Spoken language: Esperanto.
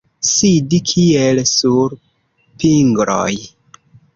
Sidi kiel sur pingloj.